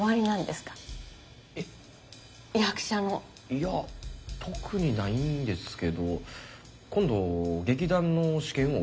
いや特にないんですけど今度劇団の試験を受ける予定です。